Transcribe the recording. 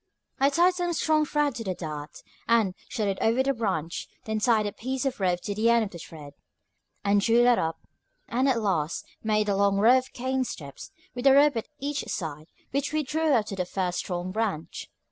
I tied some strong thread to the dart, and shot it over the branch; then tied a piece of rope to the end of the thread, and drew that up, and at last made a long row of cane steps, with a rope at each side, which we drew up to the first strong branch.